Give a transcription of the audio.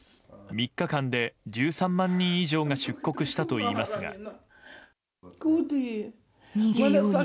３日間で１３万人以上が出国したといいますが。